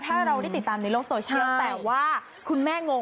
ถ้าเราได้ติดตามในโลกโซเชียลแต่ว่าคุณแม่งง